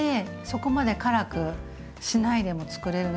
そこまで辛くしないでもつくれる。